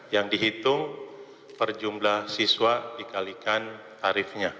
yang dihitung perjumlah siswa dikalikan tarifnya